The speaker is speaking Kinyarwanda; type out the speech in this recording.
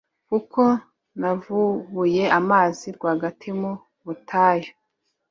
kuko navubuye amazi rwagati mu butayu,